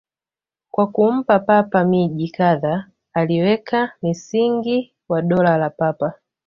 Kwa kumpa Papa miji kadhaa, aliweka msingi wa Dola la Papa.